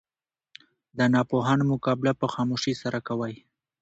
د ناپوهانو مقابله په خاموشي سره کوئ!